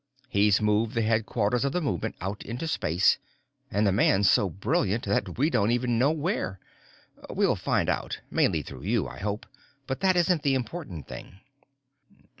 He's moved the headquarters of the movement out into space, and the man's so brilliant that we don't even know where. We'll find out, mainly through you, I hope, but that isn't the important thing."